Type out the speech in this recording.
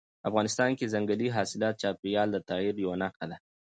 افغانستان کې ځنګلي حاصلات د چاپېریال د تغیر یوه نښه ده.